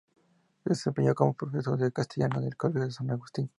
Se desempeñó como profesor de castellano en el Colegio San Agustín.